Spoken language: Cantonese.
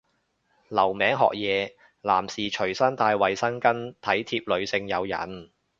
留名學嘢，男士隨身帶衛生巾體貼女性友人